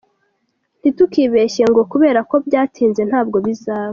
Ntitukibeshye ngo kubera ko byatinze ntabwo bizaba.